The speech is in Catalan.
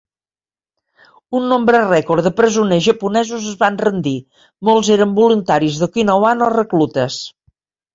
Un nombre rècord de presoners japonesos es van rendir; molts eren voluntaris d'Okinawan o reclutes.